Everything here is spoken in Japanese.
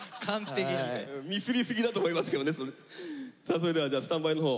それではじゃあスタンバイのほう。